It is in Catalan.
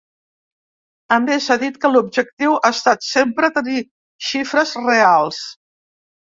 A més, ha dit que l’objectiu ha estat sempre tenir xifres reals.